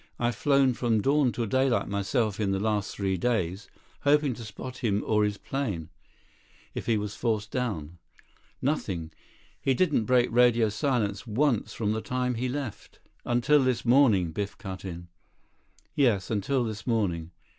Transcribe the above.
I've flown from dawn to daylight myself the last three days, hoping to spot him or his plane, if he was forced down. Nothing. He didn't break radio silence once from the time he left." "Until this morning," Biff cut in. "Yes. Until this morning.